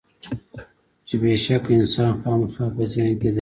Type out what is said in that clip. چې بېشکه انسان خامخا په زیان کې دی.